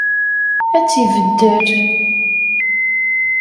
Ad tt-ibeddel.